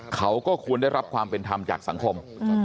เขาก็ควรได้รับความเป็นธรรมจากสังคม